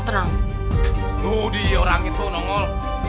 tuh dia orang itu nongol